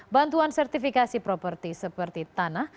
bantuan sertifikasi properti seperti tanah